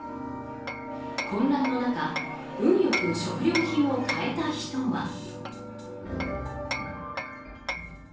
混乱の中、運良く食料品を買えた人は。